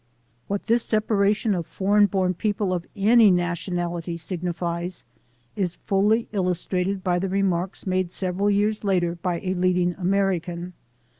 What this separation of foreign 242 THE SOUL OF AN IMMIGRANT born people of any nationality signifies is fully illustrated by the remarks made several years later by a leading American.